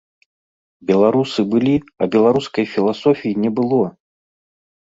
Беларусы былі, а беларускай філасофіі не было!